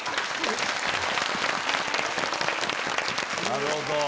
なるほど。